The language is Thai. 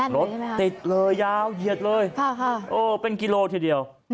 รถติดเลยยาวเหยียดเลยเป็นกิโลทีเดียว